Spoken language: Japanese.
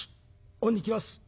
恩に着ます。